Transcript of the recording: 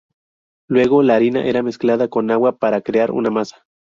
Luego, la harina era mezclada con agua para crear una masa.